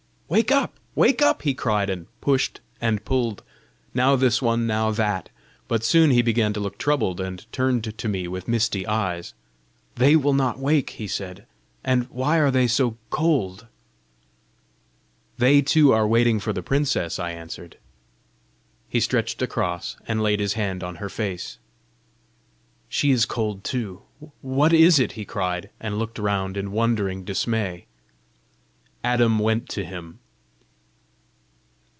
"Wake up! wake up!" he cried, and pushed and pulled, now this one, now that. But soon he began to look troubled, and turned to me with misty eyes. "They will not wake!" he said. "And why are they so cold?" "They too are waiting for the princess," I answered. He stretched across, and laid his hand on her face. "She is cold too! What is it?" he cried and looked round in wondering dismay. Adam went to him.